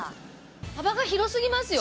幅が広すぎますよ！